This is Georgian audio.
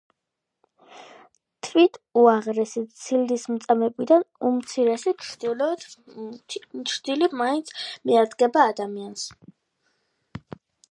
თვით უაღრესი ცილისწამებისგან უმცირესი ჩრდილი მაინც მიადგება ადამიანს.